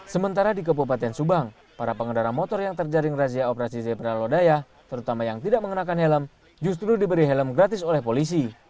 sementara di kepupaten subang para pengendara motor yang terjaring razia operasi zebra lodaya terutama yang tidak mengenakan helm justru diberi helm gratis oleh polisi